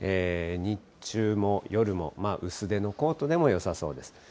日中も、夜も、薄手のコートでもよさそうです。